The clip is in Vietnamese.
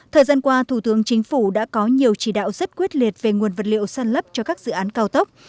thời gian qua thủ tướng chính phủ đã có nhiều chỉ đạo rất quyết liệt về nguồn vật liệu sàn lấp cho các dự án cao tốc